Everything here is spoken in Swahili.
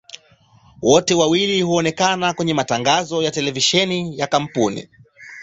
Wote wawili huonekana kwenye matangazo ya televisheni ya kampuni.